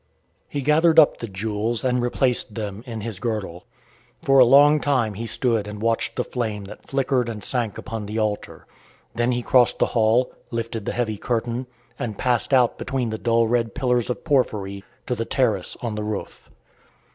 He gathered up the jewels and replaced them in his girdle. For a long time he stood and watched the flame that flickered and sank upon the altar. Then he crossed the hall, lifted the heavy curtain, and passed out between the dull red pillars of porphyry to the terrace on the roof.